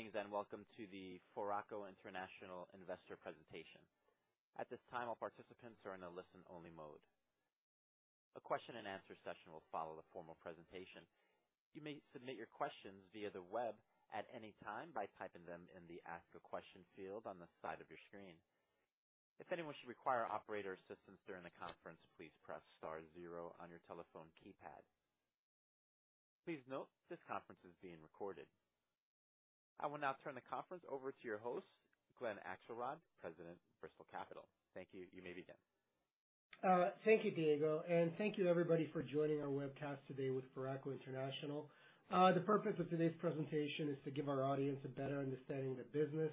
Greetings, and welcome to the Foraco International investor presentation. At this time, all participants are in a listen-only mode. A question-and-answer session will follow the formal presentation. You may submit your questions via the web at any time by typing them in the Ask a Question field on the side of your screen. If anyone should require operator assistance during the conference, please press star zero on your telephone keypad. Please note, this conference is being recorded. I will now turn the conference over to your host, Glen Akselrod, President, Bristol Capital. Thank you. You may begin. Thank you, Diego, and thank you, everybody, for joining our webcast today with Foraco International. The purpose of today's presentation is to give our audience a better understanding of the business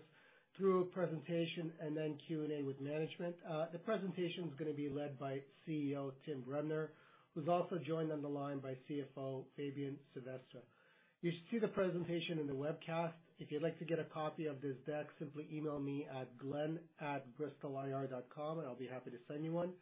through a presentation and then Q&A with management. The presentation is gonna be led by CEO Tim Bremner, who's also joined on the line by CFO Fabien Sevestre. You should see the presentation in the webcast. If you'd like to get a copy of this deck, simply email me at glen@bristolir.com, and I'll be happy to send you one.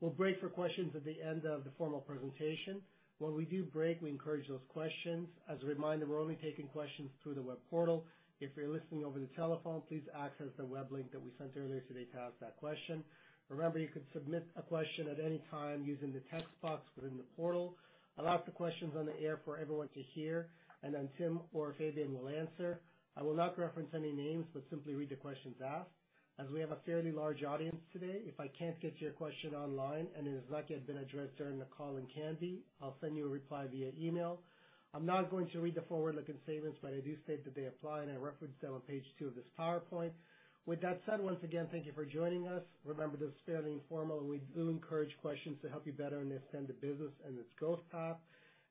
We'll break for questions at the end of the formal presentation. When we do break, we encourage those questions. As a reminder, we're only taking questions through the web portal. If you're listening over the telephone, please access the web link that we sent earlier today to ask that question. Remember, you can submit a question at any time using the text box within the portal. I'll ask the questions on the air for everyone to hear, and then Tim or Fabien will answer. I will not reference any names, but simply read the questions asked. As we have a fairly large audience today, if I can't get to your question online, and it has not yet been addressed during the call and can be, I'll send you a reply via email. I'm now going to read the forward-looking statements, but I do state that they apply, and I reference them on page two of this PowerPoint. With that said, once again, thank you for joining us. Remember, this is fairly informal, and we do encourage questions to help you better understand the business and its growth path.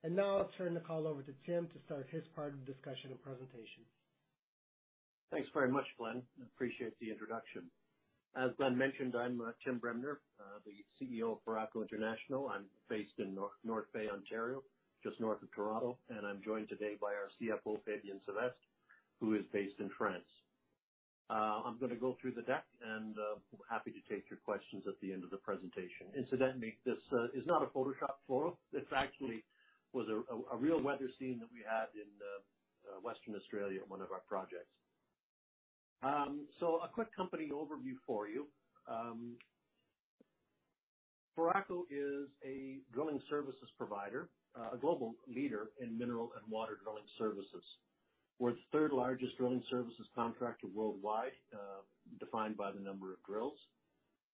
Now I'll turn the call over to Tim to start his part of the discussion and presentation. Thanks very much, Glen. I appreciate the introduction. As Glen mentioned, I'm Tim Bremner, the CEO of Foraco International. I'm based in North Bay, Ontario, just north of Toronto, and I'm joined today by our CFO, Fabien Sevestre, who is based in France. I'm gonna go through the deck, and happy to take your questions at the end of the presentation. Incidentally, this is not a Photoshopped photo. This actually was a real weather scene that we had in Western Australia at one of our projects. So a quick company overview for you. Foraco is a drilling services provider, a global leader in mineral and water drilling services. We're the third largest drilling services contractor worldwide, defined by the number of drills.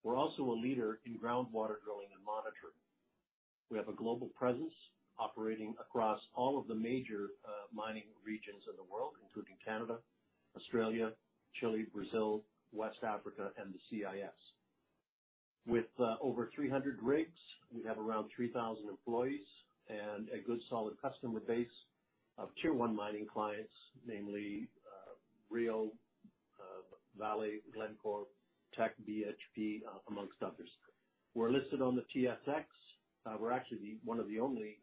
We're also a leader in groundwater drilling and monitoring. We have a global presence, operating across all of the major mining regions of the world, including Canada, Australia, Chile, Brazil, West Africa, and the CIS. With over 300 rigs, we have around 3,000 employees and a good, solid customer base of tier one mining clients, namely, Rio, Vale, Glencore, Teck, BHP, amongst others. We're listed on the TSX. We're actually the one of the only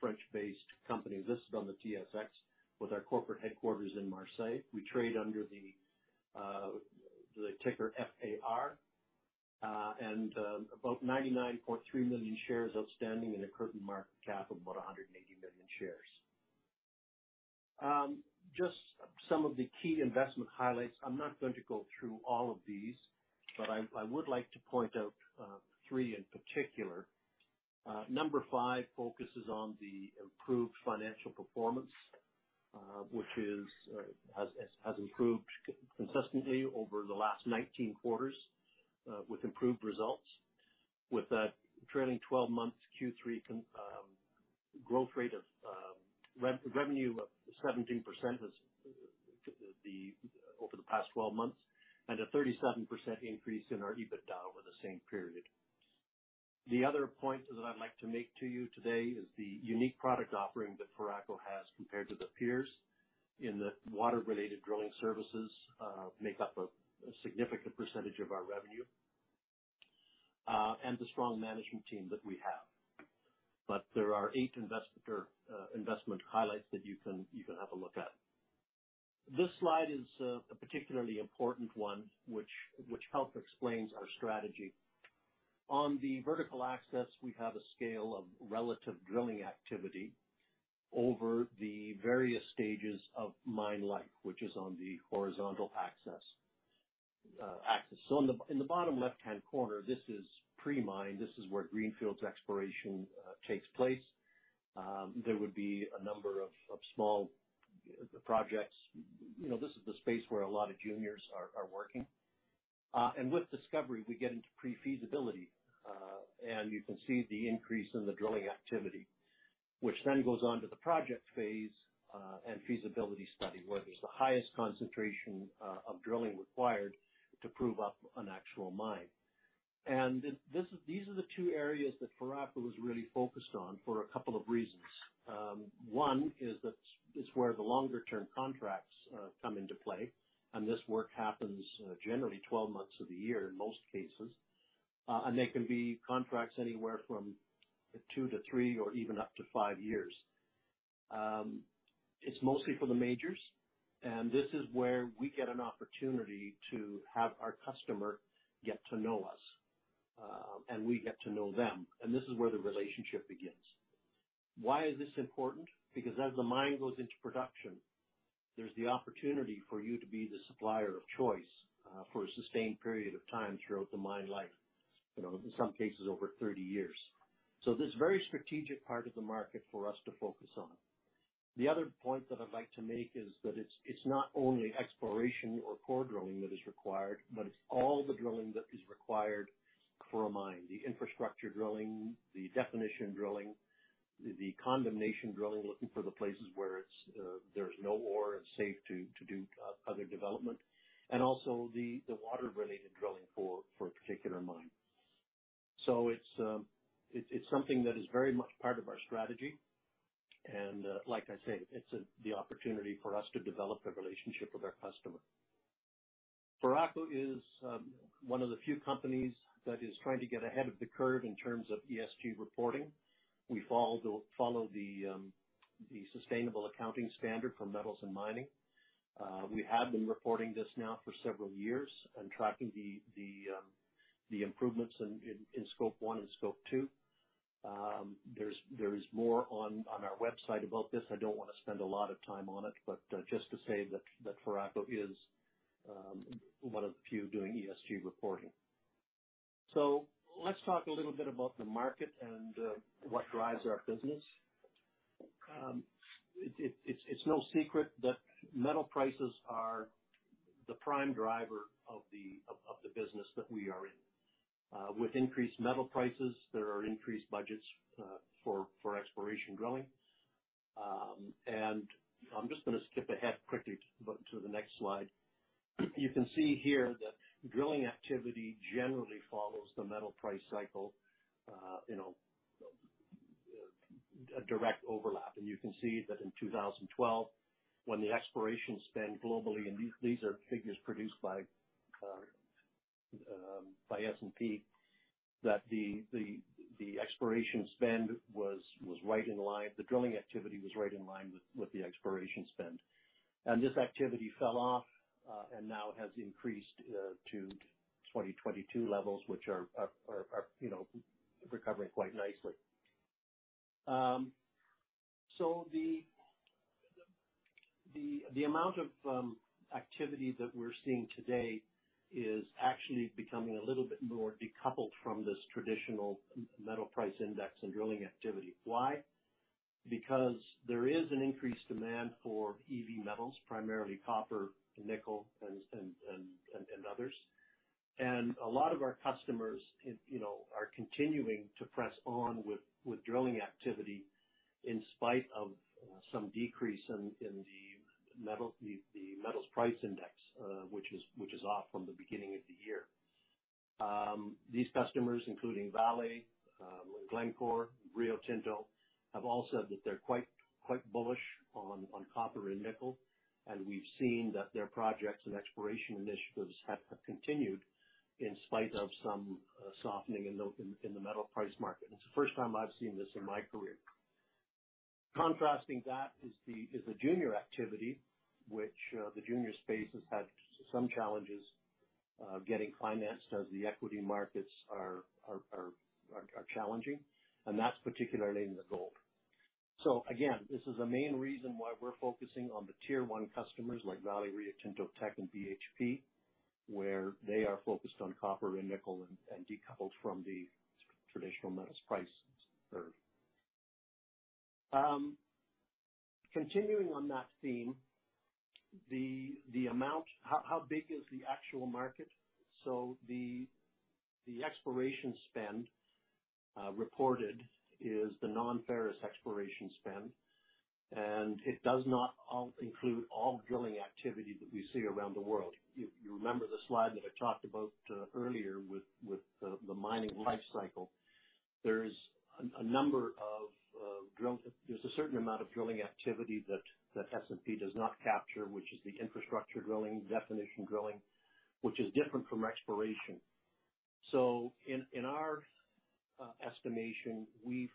French-based companies listed on the TSX, with our corporate headquarters in Marseille. We trade under the ticker FAR, and about 99.3 million shares outstanding and a current market cap of about 180 million shares. Just some of the key investment highlights. I'm not going to go through all of these, but I would like to point out three in particular. Number five focuses on the improved financial performance, which has improved consistently over the last 19 quarters with improved results. With a trailing twelve months Q3 growth rate of revenue of 17% over the past twelve months, and a 37% increase in our EBITDA over the same period. The other point that I'd like to make to you today is the unique product offering that Foraco has compared to the peers in the water-related drilling services make up a significant percentage of our revenue, and the strong management team that we have. But there are eight investment highlights that you can have a look at. This slide is a particularly important one, which helps explain our strategy. On the vertical axis, we have a scale of relative drilling activity over the various stages of mine life, which is on the horizontal axis. So on the, in the bottom left-hand corner, this is pre-mine. This is where greenfields exploration takes place. There would be a number of small projects. You know, this is the space where a lot of juniors are working. And with discovery, we get into pre-feasibility, and you can see the increase in the drilling activity, which then goes on to the project phase, and feasibility study, where there's the highest concentration of drilling required to prove up an actual mine. And this is, these are the two areas that Foraco is really focused on for a couple of reasons. One is that it's where the longer-term contracts come into play, and this work happens generally 12 months of the year in most cases. And they can be contracts anywhere from two to three, or even up to five years. It's mostly for the majors, and this is where we get an opportunity to have our customer get to know us, and we get to know them, and this is where the relationship begins. Why is this important? Because as the mine goes into production, there's the opportunity for you to be the supplier of choice for a sustained period of time throughout the mine life. You know, in some cases, over 30 years. So this is a very strategic part of the market for us to focus on. The other point that I'd like to make is that it's not only exploration or core drilling that is required, but it's all the drilling that is required for a mine. The infrastructure drilling, the definition drilling, the condemnation drilling, looking for the places where there's no ore, it's safe to do other development, and also the water-related drilling for a particular mine. So it's something that is very much part of our strategy, and, like I say, it's the opportunity for us to develop a relationship with our customer. Foraco is one of the few companies that is trying to get ahead of the curve in terms of ESG reporting. We follow the sustainable accounting standard for metals and mining. We have been reporting this now for several years and tracking the improvements in Scope 1 and Scope 2. There's more on our website about this. I don't wanna spend a lot of time on it, but just to say that Foraco is one of the few doing ESG reporting. So let's talk a little bit about the market and what drives our business. It's no secret that metal prices are the prime driver of the business that we are in. With increased metal prices, there are increased budgets for exploration drilling. And I'm just gonna skip ahead quickly to the next slide. You can see here that drilling activity generally follows the metal price cycle, you know, a direct overlap. You can see that in 2012, when the exploration spend globally, these are figures produced by S&P, that the exploration spend was right in line. The drilling activity was right in line with the exploration spend. This activity fell off, and now has increased to 2022 levels, which are, you know, recovering quite nicely. So the amount of activity that we're seeing today is actually becoming a little bit more decoupled from this traditional metal price index and drilling activity. Why? Because there is an increased demand for EV metals, primarily copper, nickel, and others. A lot of our customers, you know, are continuing to press on with drilling activity in spite of some decrease in the metals price index, which is off from the beginning of the year. These customers, including Vale, Glencore, Rio Tinto, have all said that they're quite bullish on copper and nickel, and we've seen that their projects and exploration initiatives have continued in spite of some softening in the metal price market. It's the first time I've seen this in my career. Contrasting that is the junior activity, which the junior space has had some challenges getting financed as the equity markets are challenging, and that's particularly in the gold. So again, this is a main reason why we're focusing on the tier one customers like Vale, Rio Tinto, Teck and BHP, where they are focused on copper and nickel and decoupled from the traditional metals price surge. Continuing on that theme, the amount... How big is the actual market? So the exploration spend reported is the non-ferrous exploration spend, and it does not include all drilling activity that we see around the world. You remember the slide that I talked about earlier with the mining life cycle. There's a certain amount of drilling activity that S&P does not capture, which is the infrastructure drilling, definition drilling, which is different from exploration. So in our estimation, we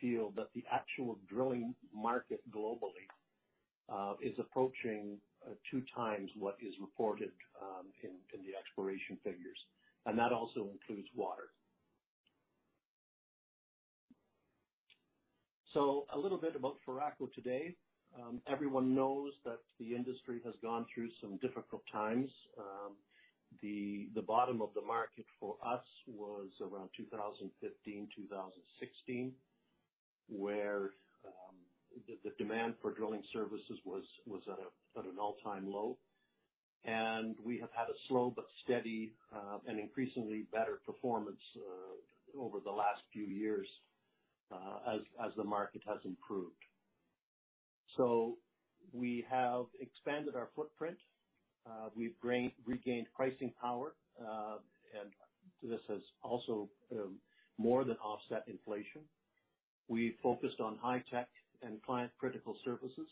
feel that the actual drilling market globally is approaching 2x what is reported in the exploration figures. And that also includes water. So a little bit about Foraco today. Everyone knows that the industry has gone through some difficult times. The bottom of the market for us was around 2015, 2016, where the demand for drilling services was at an all-time low. And we have had a slow but steady and increasingly better performance over the last few years as the market has improved. So we have expanded our footprint, we've regained pricing power, and this has also more than offset inflation. We've focused on high tech and client critical services,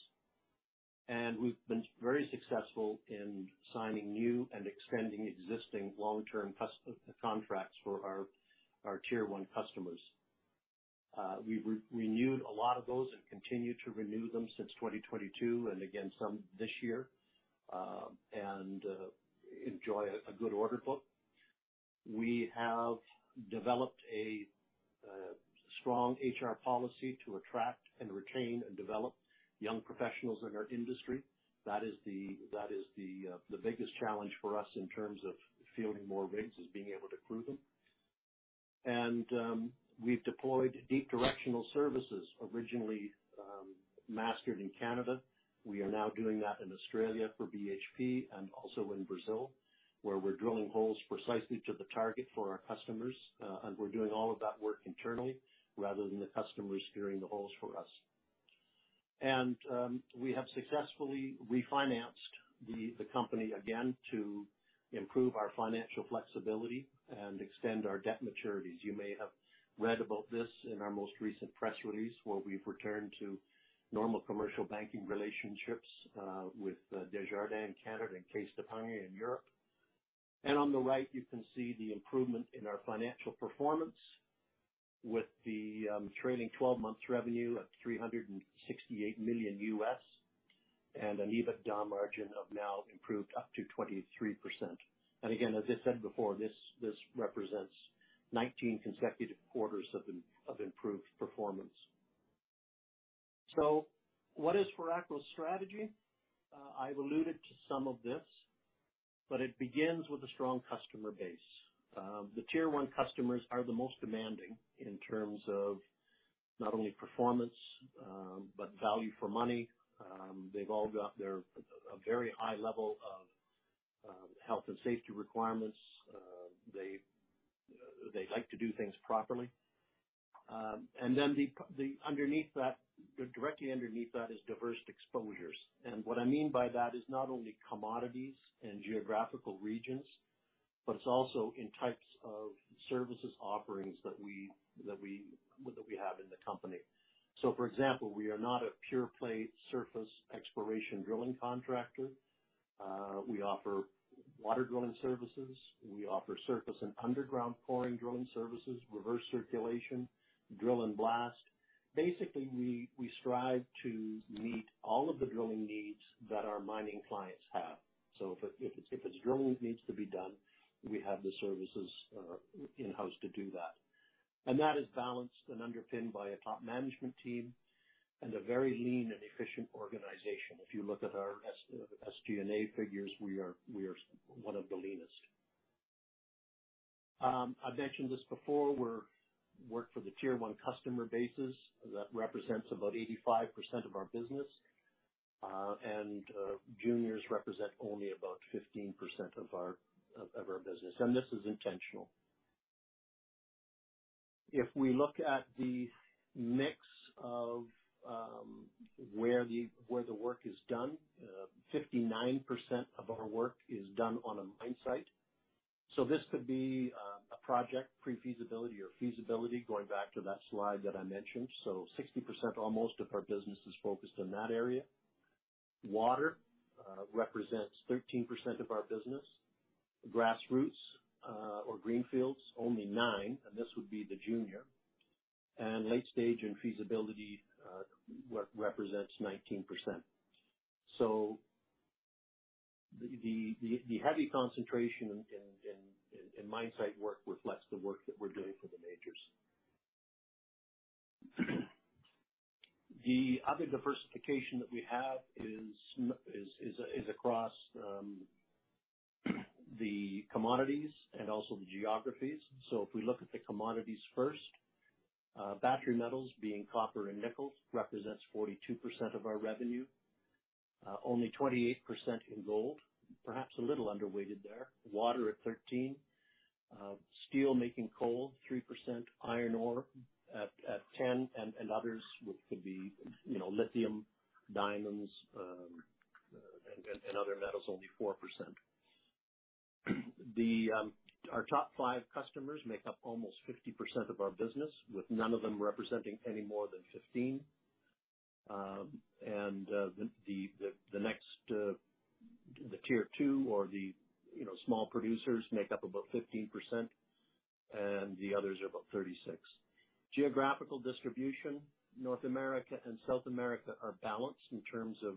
and we've been very successful in signing new and extending existing long-term customer contracts for our tier one customers. We renewed a lot of those and continued to renew them since 2022 and again, some this year. And enjoy a good order book. We have developed a strong HR policy to attract and retain and develop young professionals in our industry. That is the biggest challenge for us in terms of fielding more rigs, is being able to crew them. And we've deployed deep directional services, originally mastered in Canada. We are now doing that in Australia for BHP and also in Brazil, where we're drilling holes precisely to the target for our customers. We're doing all of that work internally, rather than the customers steering the holes for us. We have successfully refinanced the company again to improve our financial flexibility and extend our debt maturities. You may have read about this in our most recent press release, where we've returned to normal commercial banking relationships with Desjardins in Canada and Caisse d'Epargne in Europe. On the right, you can see the improvement in our financial performance with the trailing twelve months revenue at $368 million, and an EBITDA margin of now improved up to 23%. Again, as I said before, this represents 19 consecutive quarters of improved performance. So what is Foraco's strategy? I've alluded to some of this, but it begins with a strong customer base. The tier one customers are the most demanding in terms of not only performance, but value for money. They've all got a very high level of health and safety requirements. They like to do things properly. And then directly underneath that is diverse exposures. And what I mean by that is not only commodities and geographical regions, but it's also in types of services offerings that we have in the company. So, for example, we are not a pure play surface exploration drilling contractor. We offer water drilling services. We offer surface and underground boring drilling services, reverse circulation, drill and blast. Basically, we strive to meet all of the drilling needs that our mining clients have. So if it's drilling needs to be done, we have the services in-house to do that. And that is balanced and underpinned by a top management team and a very lean and efficient organization. If you look at our SG&A figures, we are one of the leanest. I've mentioned this before, we work for the tier one customer bases. That represents about 85% of our business, and juniors represent only about 15% of our business, and this is intentional. If we look at the mix of where the work is done, 59% of our work is done on a mine site. So this could be a project, pre-feasibility or feasibility, going back to that slide that I mentioned. So 60% almost of our business is focused on that area. Water represents 13% of our business. Grassroots or greenfields, only 9%, and this would be the junior. And late stage and feasibility represents 19%. So the heavy concentration in mine site work reflects the work that we're doing for the majors. The other diversification that we have is across the commodities and also the geographies. So if we look at the commodities first, battery metals, being copper and nickel, represents 42% of our revenue. Only 28% in gold, perhaps a little underweighted there. Water at 13%, steel making coal, 3%, iron ore at 10%, and others, which could be, you know, lithium, diamonds and other metals, only 4%. Our top five customers make up almost 50% of our business, with none of them representing any more than 15%. And the next, the tier two, or you know, small producers make up about 15%, and the others are about 36%. Geographical distribution, North America and South America are balanced in terms of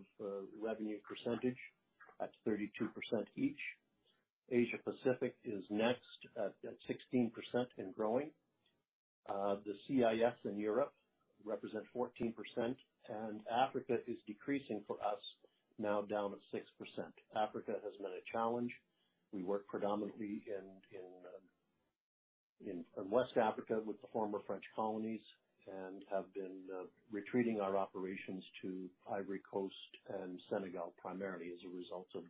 revenue percentage at 32% each. Asia Pacific is next at 16% and growing. The CIS and Europe represent 14%, and Africa is decreasing for us, now down at 6%. Africa has been a challenge. We work predominantly in West Africa with the former French colonies and have been retreating our operations to Ivory Coast and Senegal, primarily as a result of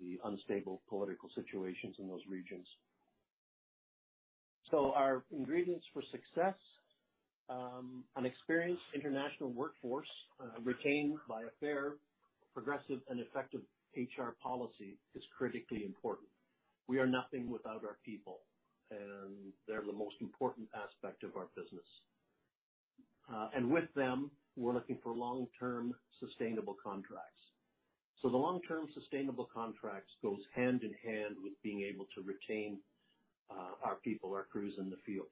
the unstable political situations in those regions. So our ingredients for success. An experienced international workforce, retained by a fair, progressive, and effective HR policy is critically important. We are nothing without our people, and they're the most important aspect of our business. And with them, we're looking for long-term, sustainable contracts. So the long-term sustainable contracts goes hand in hand with being able to retain, our people, our crews in the field.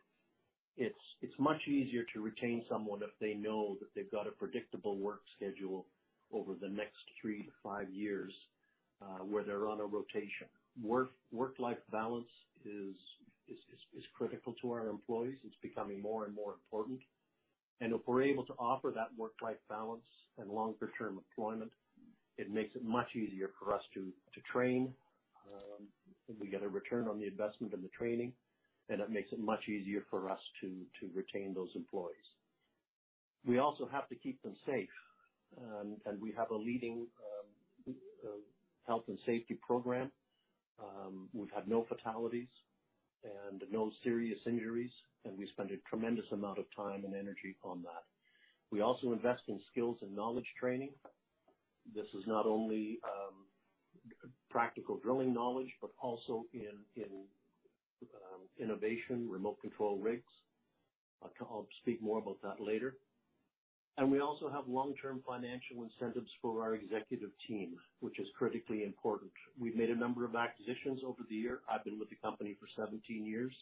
It's much easier to retain someone if they know that they've got a predictable work schedule over the next three to five years, where they're on a rotation. Work-life balance is critical to our employees. It's becoming more and more important. If we're able to offer that work-life balance and longer-term employment, it makes it much easier for us to, to train, and we get a return on the investment and the training, and it makes it much easier for us to, to retain those employees. We also have to keep them safe, and we have a leading health and safety program. We've had no fatalities and no serious injuries, and we spend a tremendous amount of time and energy on that. We also invest in skills and knowledge training. This is not only, practical drilling knowledge, but also in, in, innovation, remote control rigs. I'll, I'll speak more about that later. We also have long-term financial incentives for our executive team, which is critically important. We've made a number of acquisitions over the year. I've been with the company for 17 years,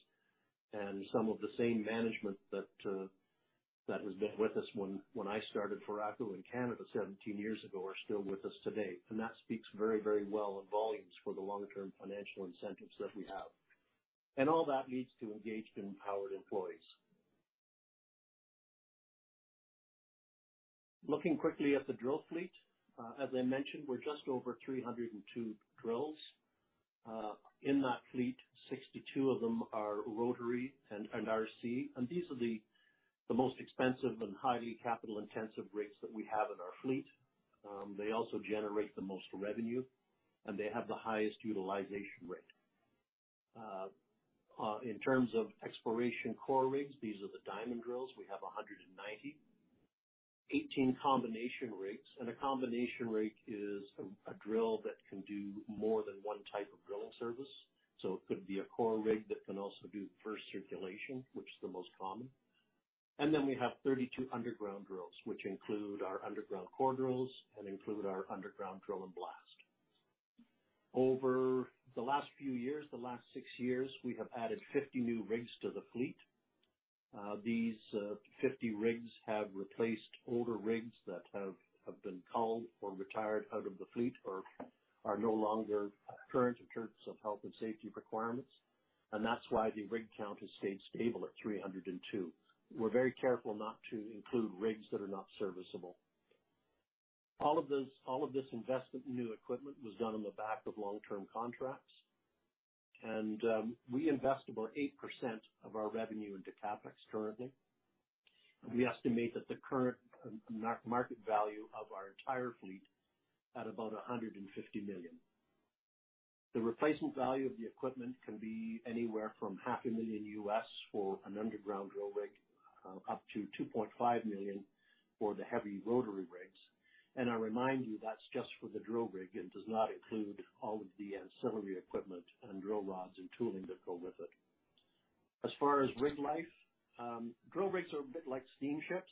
and some of the same management that, that has been with us when, when I started Foraco in Canada 17 years ago, are still with us today, and that speaks very, very well in volumes for the long-term financial incentives that we have. And all that leads to engaged and empowered employees. Looking quickly at the drill fleet, as I mentioned, we're just over 302 drills. In that fleet, 62 of them are rotary and, and RC, and these are the, the most expensive and highly capital-intensive rigs that we have in our fleet. They also generate the most revenue, and they have the highest utilization rate. In terms of exploration core rigs, these are the diamond drills. We have 190. 18 combination rigs, and a combination rig is a drill that can do more than one type of drilling service, so it could be a core rig that can also do reverse circulation, which is the most common. Then we have 32 underground drills, which include our underground core drills and include our underground drill and blast. Over the last few years, the last six years, we have added 50 new rigs to the fleet. These 50 rigs have replaced older rigs that have been culled or retired out of the fleet or are no longer current in terms of health and safety requirements. That's why the rig count has stayed stable at 302. We're very careful not to include rigs that are not serviceable. All of this, all of this investment in new equipment was done on the back of long-term contracts, and we invest about 8% of our revenue into CapEx currently. We estimate that the current market value of our entire fleet at about $150 million. The replacement value of the equipment can be anywhere from $500,000-$2.5 million for the heavy rotary rigs. And I remind you, that's just for the drill rig and does not include all of the ancillary equipment and drill rods and tooling that go with it. As far as rig life, drill rigs are a bit like steamships.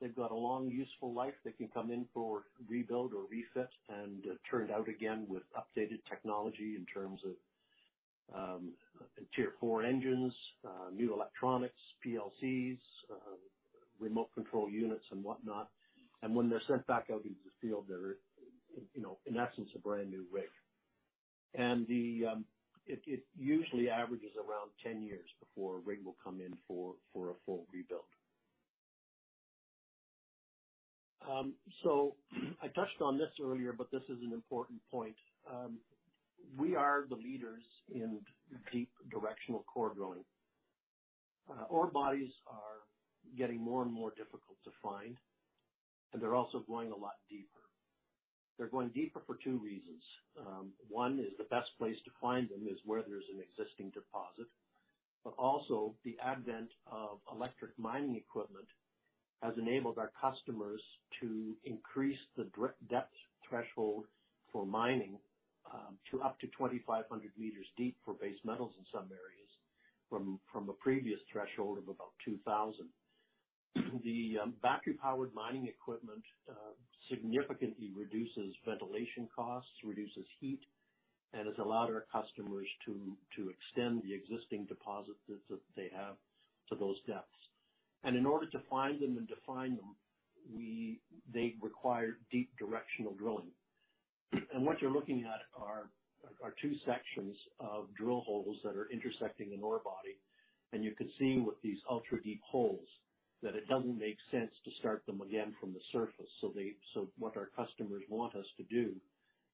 They've got a long, useful life. They can come in for rebuild or refit and turned out again with updated technology in terms of tier four engines, new electronics, PLCs, remote control units, and whatnot. When they're sent back out into the field, they're, you know, in essence, a brand-new rig. It usually averages around 10 years before a rig will come in for a full rebuild. So I touched on this earlier, but this is an important point. We are the leaders in deep directional core drilling. Ore bodies are getting more and more difficult to find, and they're also going a lot deeper. They're going deeper for two reasons. One is the best place to find them is where there's an existing deposit, but also the advent of electric mining equipment has enabled our customers to increase the depth threshold for mining to up to 2,500 meters deep for base metals in some areas, from a previous threshold of about 2,000. The battery-powered mining equipment significantly reduces ventilation costs, reduces heat, and has allowed our customers to extend the existing deposits that they have to those depths. In order to find them and define them, they require deep directional drilling. What you're looking at are two sections of drill holes that are intersecting an ore body, and you can see with these ultra-deep holes that it doesn't make sense to start them again from the surface. They... So what our customers want us to do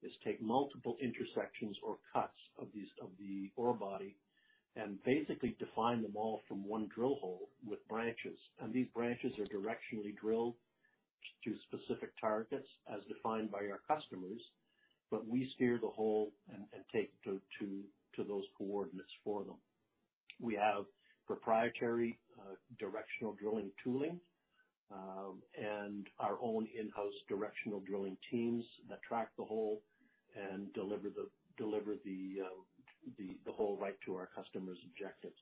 is take multiple intersections or cuts of these, of the ore body and basically define them all from one drill hole with branches. These branches are directionally drilled to specific targets as defined by our customers, but we steer the hole and take to those coordinates for them. We have proprietary directional drilling tooling and our own in-house directional drilling teams that track the hole and deliver the hole right to our customer's objectives.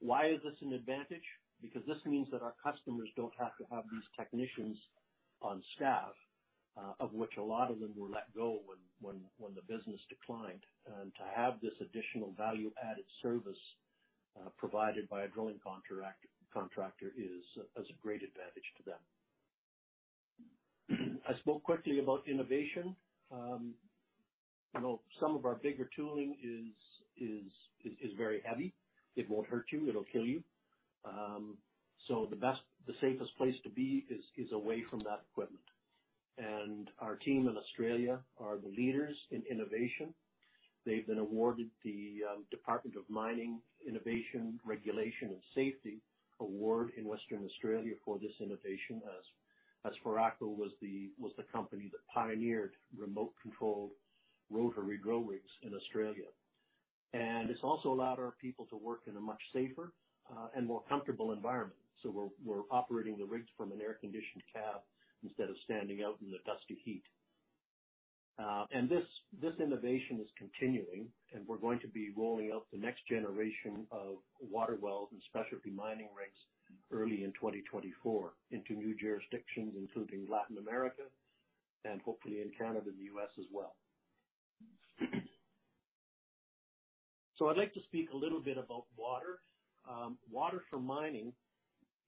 Why is this an advantage? Because this means that our customers don't have to have these technicians on staff, of which a lot of them were let go when the business declined. To have this additional value-added service provided by a drilling contractor is a great advantage to them. I spoke quickly about innovation. You know, some of our bigger tooling is very heavy. It won't hurt you, it'll kill you. So the best, the safest place to be is away from that equipment. And our team in Australia are the leaders in innovation. They've been awarded the Department of Mining Innovation, Regulation, and Safety Award in Western Australia for this innovation, as Foraco was the company that pioneered remote-controlled rotary drill rigs in Australia. And it's also allowed our people to work in a much safer and more comfortable environment. So we're operating the rigs from an air-conditioned cab instead of standing out in the dusty heat. And this, this innovation is continuing, and we're going to be rolling out the next generation of water wells and specialty mining rigs early in 2024 into new jurisdictions, including Latin America and hopefully in Canada and the U.S. as well. So I'd like to speak a little bit about water. Water for mining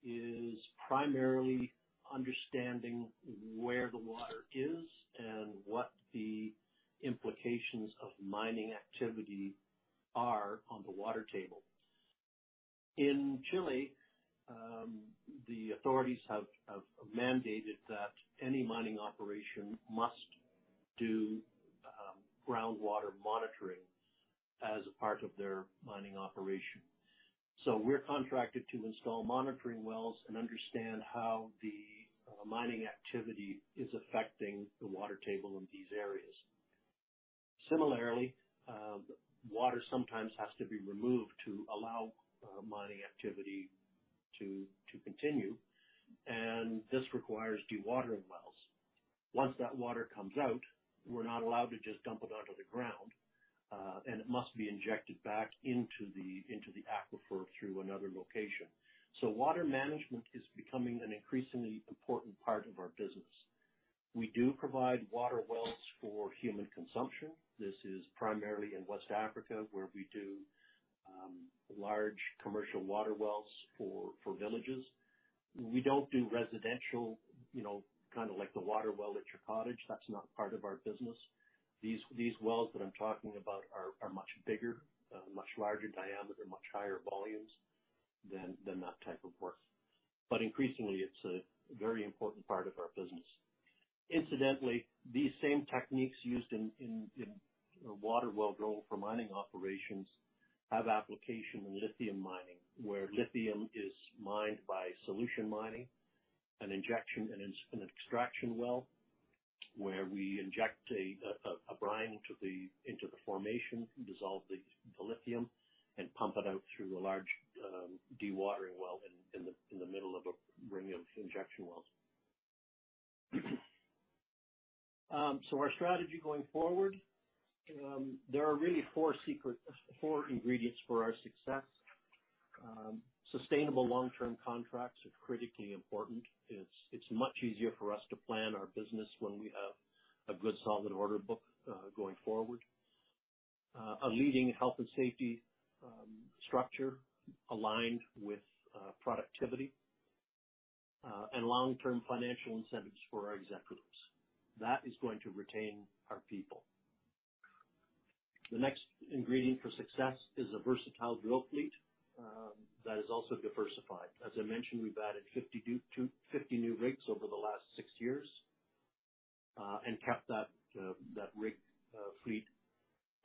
is primarily understanding where the water is and what the implications of mining activity are on the water table. In Chile, the authorities have mandated that any mining operation must do groundwater monitoring as a part of their mining operation. So we're contracted to install monitoring wells and understand how the mining activity is affecting the water table in these areas. Similarly, water sometimes has to be removed to allow mining activity to continue, and this requires dewatering wells. Once that water comes out, we're not allowed to just dump it onto the ground, and it must be injected back into the, into the aquifer through another location. So water management is becoming an increasingly important part of our business. We do provide water wells for human consumption. This is primarily in West Africa, where we do large commercial water wells for villages. We don't do residential, you know, kind of like the water well at your cottage. That's not part of our business. These wells that I'm talking about are much bigger, much larger diameter, much higher volumes than that type of work. But increasingly, it's a very important part of our business. Incidentally, these same techniques used in water well drill for mining operations have application in lithium mining, where lithium is mined by solution mining, an injection and an extraction well, where we inject a brine into the formation, dissolve the lithium, and pump it out through a large dewatering well in the middle of a ring of injection wells. So our strategy going forward, there are really four ingredients for our success. Sustainable long-term contracts are critically important. It's much easier for us to plan our business when we have a good, solid order book going forward. A leading health and safety structure aligned with productivity and long-term financial incentives for our executives. That is going to retain our people. The next ingredient for success is a versatile drill fleet that is also diversified. As I mentioned, we've added 50 new rigs over the last six years and kept that rig fleet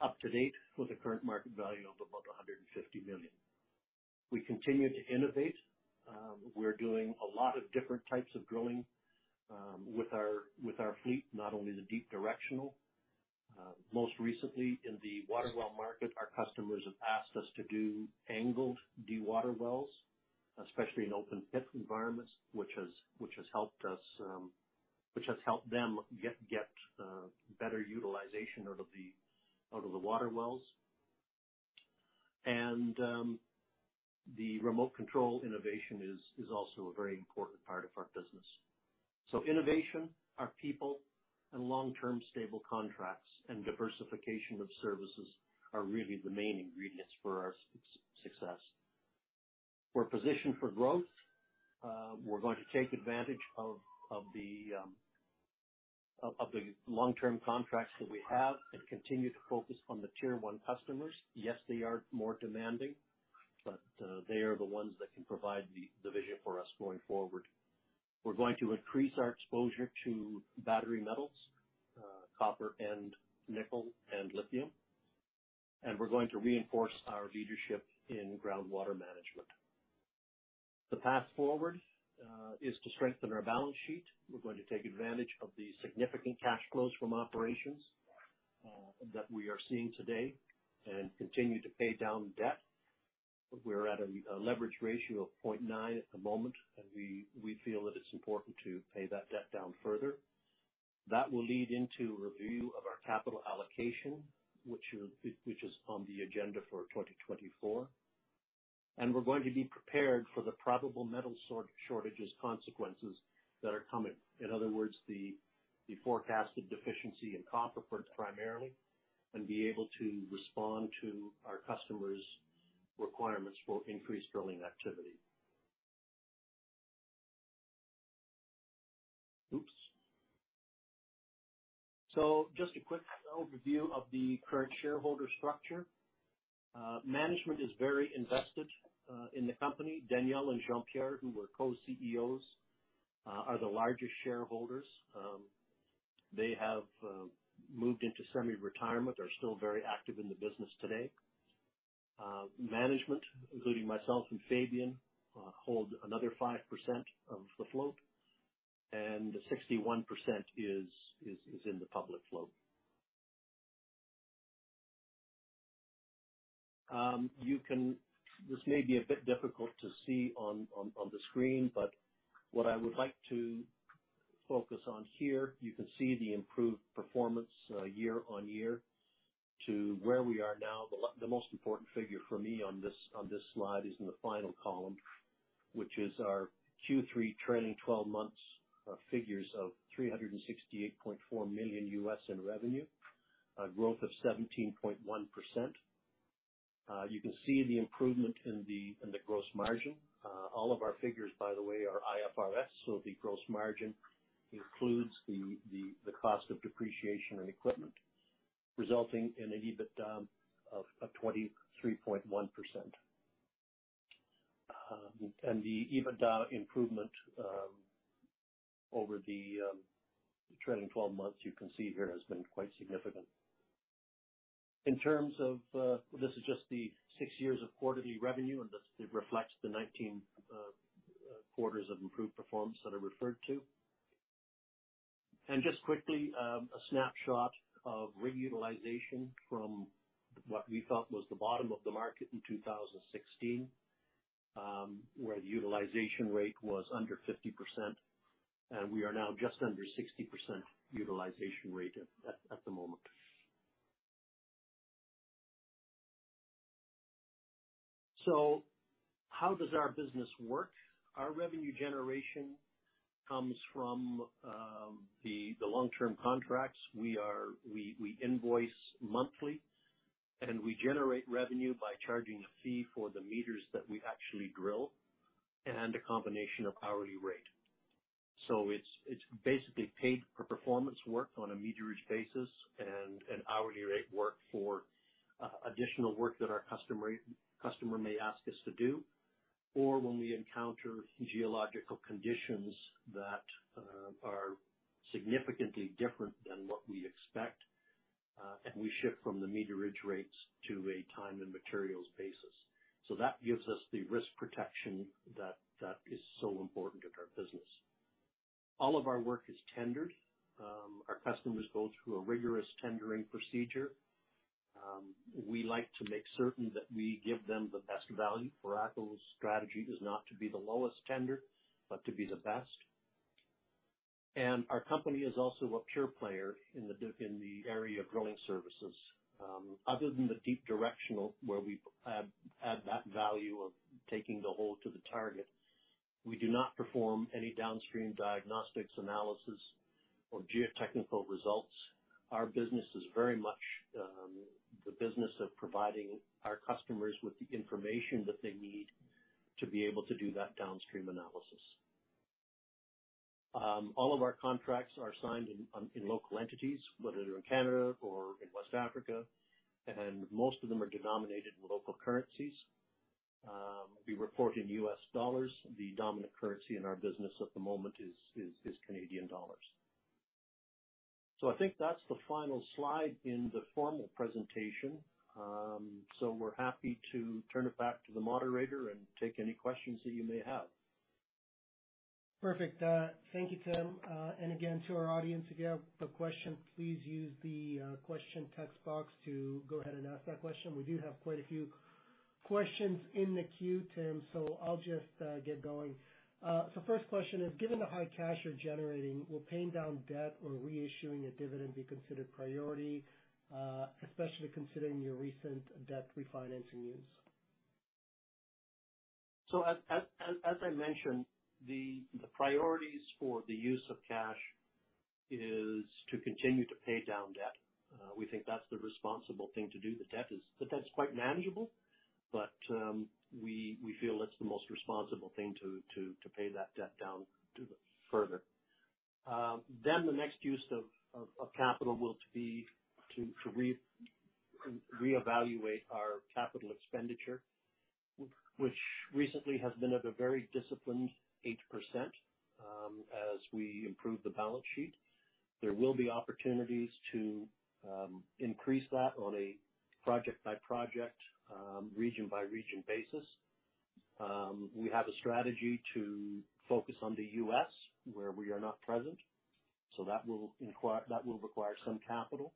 up to date with a current market value of about $150 million. We continue to innovate. We're doing a lot of different types of drilling with our fleet, not only the deep directional. Most recently in the water well market, our customers have asked us to do angled dewater wells, especially in open pit environments, which has helped them get better utilization out of the water wells. And the remote-control innovation is also a very important part of our business. So innovation, our people, and long-term stable contracts and diversification of services are really the main ingredients for our success. We're positioned for growth. We're going to take advantage of the long-term contracts that we have and continue to focus on the tier one customers. Yes, they are more demanding, but they are the ones that can provide the vision for us going forward. We're going to increase our exposure to battery metals, copper and nickel, and lithium. And we're going to reinforce our leadership in groundwater management. The path forward is to strengthen our balance sheet. We're going to take advantage of the significant cash flows from operations that we are seeing today and continue to pay down debt. We're at a leverage ratio of 0.9x at the moment, and we feel that it's important to pay that debt down further. That will lead into a review of our capital allocation, which is on the agenda for 2024. And we're going to be prepared for the probable metal shortages consequences that are coming. In other words, the forecasted deficiency in copper, primarily, and be able to respond to our customers' requirements for increased drilling activity. Oops! So just a quick overview of the current shareholder structure. Management is very invested in the company. Daniel and Jean-Pierre, who are co-CEOs, are the largest shareholders. They have moved into semi-retirement, are still very active in the business today. Management, including myself and Fabien, hold another 5% of the float, and 61% is in the public float. You can... This may be a bit difficult to see on the screen, but what I would like to focus on here, you can see the improved performance, year-on-year to where we are now. The most important figure for me on this slide is in the final column, which is our Q3 trailing twelve months figures of $368.4 million in revenue, a growth of 17.1%. You can see the improvement in the gross margin. All of our figures, by the way, are IFRS, so the gross margin includes the cost of depreciation and equipment, resulting in an EBITDA of 23.1%. The EBITDA improvement over the trailing twelve months, you can see here, has been quite significant. In terms of, this is just the six years of quarterly revenue, and this, it reflects the 19 quarters of improved performance that I referred to. Just quickly, a snapshot of rig utilization from what we thought was the bottom of the market in 2016, where the utilization rate was under 50%. We are now just under 60% utilization rate at the moment. So how does our business work? Our revenue generation comes from the long-term contracts. We are... We invoice monthly, and we generate revenue by charging a fee for the meters that we actually drill, and a combination of hourly rate. So it's basically paid-for-performance work on a meterage basis and an hourly rate work for additional work that our customer may ask us to do. Or when we encounter geological conditions that are significantly different than what we expect, and we shift from the meterage rates to a time and materials basis. So that gives us the risk protection that is so important to our business. All of our work is tendered. Our customers go through a rigorous tendering procedure. We like to make certain that we give them the best value. Foraco's strategy is not to be the lowest tender, but to be the best. Our company is also a pure player in the area of drilling services. Other than the deep directional, where we add that value of taking the hole to the target, we do not perform any downstream diagnostics, analysis, or geotechnical results. Our business is very much the business of providing our customers with the information that they need to be able to do that downstream analysis. All of our contracts are signed in local entities, whether in Canada or in West Africa, and most of them are denominated in local currencies. We report in US dollars. The dominant currency in our business at the moment is Canadian dollars. So I think that's the final slide in the formal presentation. We're happy to turn it back to the moderator and take any questions that you may have. Perfect. Thank you, Tim. And again, to our audience, if you have a question, please use the question text box to go ahead and ask that question. We do have quite a few questions in the queue, Tim, so I'll just get going. So first question is: Given the high cash you're generating, will paying down debt or reissuing a dividend be considered priority, especially considering your recent debt refinancing use? As I mentioned, the priorities for the use of cash is to continue to pay down debt. We think that's the responsible thing to do. The debt is quite manageable, but we feel it's the most responsible thing to pay that debt down further. Then the next use of capital will be to reevaluate our capital expenditure, which recently has been at a very disciplined 8%. As we improve the balance sheet, there will be opportunities to increase that on a project-by-project, region-by-region basis. We have a strategy to focus on the U.S., where we are not present, so that will require some capital.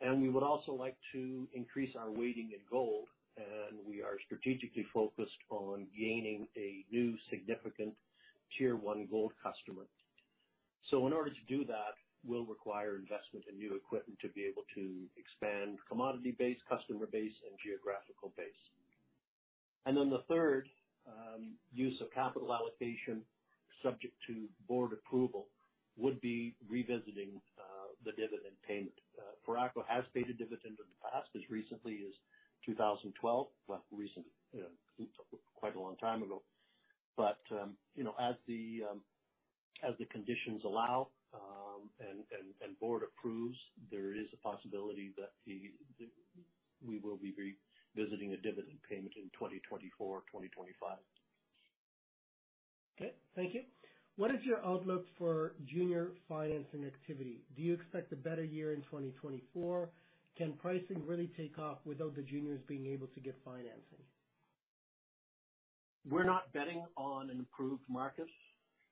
And we would also like to increase our weighting in gold, and we are strategically focused on gaining a new significant Tier One gold customer. So in order to do that, we'll require investment in new equipment to be able to expand commodity base, customer base, and geographical base. And then the third, use of capital allocation, subject to board approval, would be revisiting, the dividend payment. Foraco has paid a dividend in the past, as recently as 2012. Well, recent, you know, quite a long time ago. But, you know, as the, as the conditions allow, and, and, and board approves, there is a possibility that the... We will be revisiting a dividend payment in 2024, 2025. Okay, thank you. What is your outlook for junior financing activity? Do you expect a better year in 2024? Can pricing really take off without the juniors being able to get financing? We're not betting on improved markets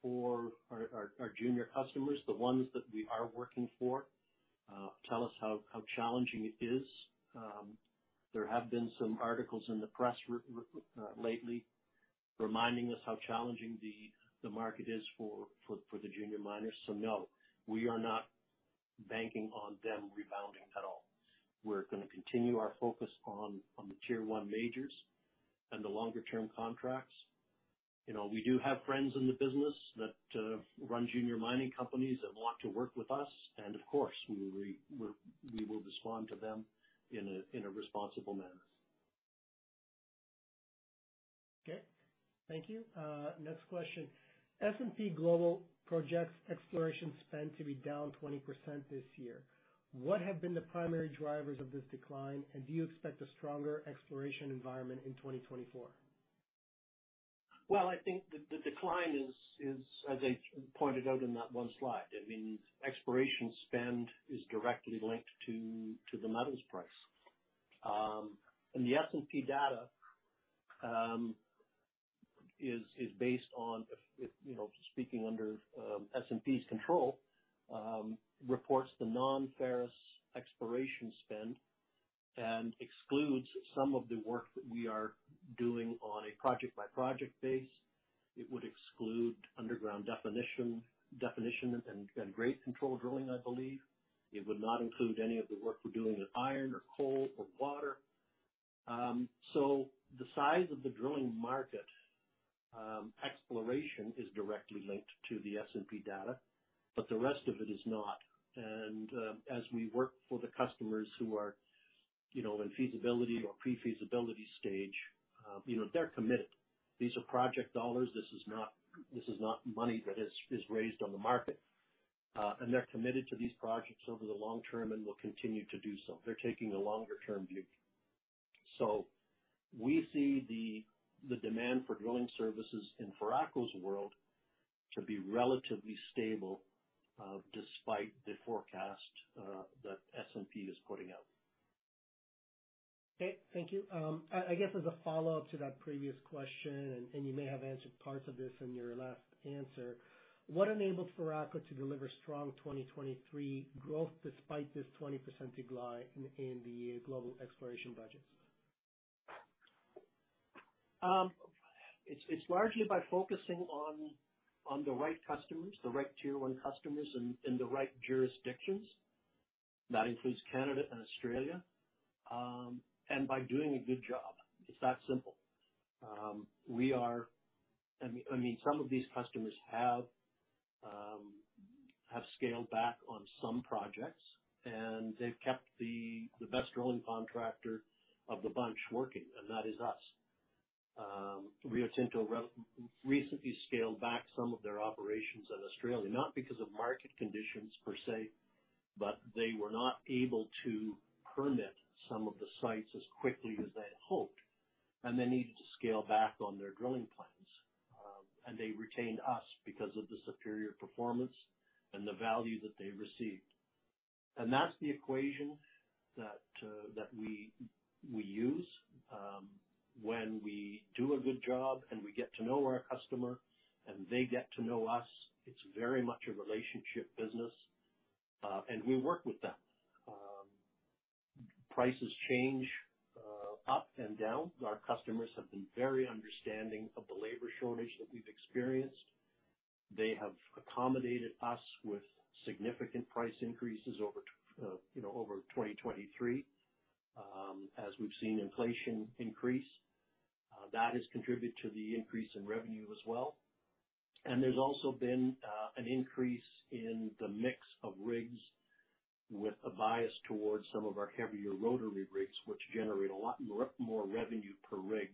for our junior customers. The ones that we are working for tell us how challenging it is. There have been some articles in the press lately reminding us how challenging the market is for the junior miners. So, no, we are not banking on them rebounding at all. We're gonna continue our focus on the tier one majors and the longer-term contracts. You know, we do have friends in the business that run junior mining companies and want to work with us, and of course, we will respond to them in a responsible manner. Okay. Thank you. Next question. S&P Global projects exploration spend to be down 20% this year. What have been the primary drivers of this decline, and do you expect a stronger exploration environment in 2024? Well, I think the decline is, as I pointed out in that one slide, I mean, exploration spend is directly linked to the metals price. And the S&P data is based on, if you know, speaking under S&P's control, reports the non-ferrous exploration spend and excludes some of the work that we are doing on a project-by-project basis. It would exclude underground definition and grade control drilling, I believe. It would not include any of the work we're doing with iron or coal or water. So the size of the drilling market, exploration is directly linked to the S&P data, but the rest of it is not. And as we work for the customers who are, you know, in feasibility or pre-feasibility stage, you know, they're committed. These are project dollars. This is not money that is raised on the market. They're committed to these projects over the long term and will continue to do so. They're taking a longer-term view. So we see the demand for drilling services in Foraco's world to be relatively stable, despite the forecast that S&P is putting out. Okay, thank you. I guess as a follow-up to that previous question, and you may have answered parts of this in your last answer, what enabled Foraco to deliver strong 2023 growth, despite this 20% decline in the global exploration budgets? It's largely by focusing on the right customers, the right tier one customers in the right jurisdictions. That includes Canada and Australia. And by doing a good job, it's that simple. I mean, some of these customers have scaled back on some projects, and they've kept the best drilling contractor of the bunch working, and that is us. Rio Tinto recently scaled back some of their operations in Australia, not because of market conditions per se, but they were not able to permit some of the sites as quickly as they had hoped, and they needed to scale back on their drilling plans. And they retained us because of the superior performance and the value that they received. And that's the equation that we use. When we do a good job, and we get to know our customer, and they get to know us, it's very much a relationship business, and we work with them. Prices change, up and down. Our customers have been very understanding of the labor shortage that we've experienced. They have accommodated us with significant price increases over, you know, over 2023, as we've seen inflation increase. That has contributed to the increase in revenue as well. And there's also been an increase in the mix of rigs, with a bias towards some of our heavier rotary rigs, which generate a lot more, more revenue per rig